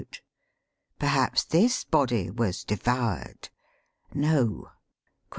Perhaps this body was devoured i No.